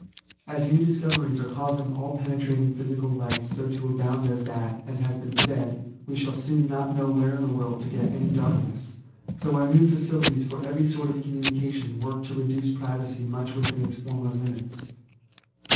As new discoveries are causing all penetrating phy sical lights so to abound as that, as has been said, we shall soon not know where in the world to get any darkness, so our new facilities for every sort LIFE TO THE INVALID. 91 of oommimicatioii work to reduce privacy much within its former limits.